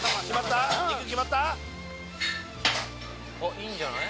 いいんじゃない？